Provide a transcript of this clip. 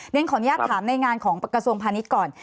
เรียนขออนุญาตถามในงานของกระทรวงพาณิชย์ก่อน